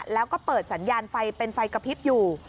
แล้วก็เปิดสัญญาณไฟเป็นไฟกระพริบอยู่